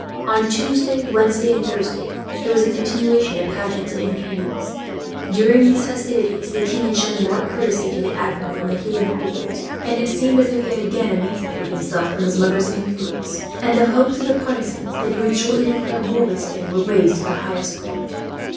On Tuesday, Wednesday, and Thursday there was a continuation of pageants and entertainments. During these festivities the king had shown marked courtesy to the Admiral and the Huguenot lords, and it seemed as if he had again emancipated himself from his mother's influence; and the hopes of the Protestants, that he would shortly declare war with Spain, were raised to the highest point.